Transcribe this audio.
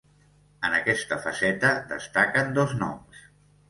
En aquesta faceta destaquen dos noms.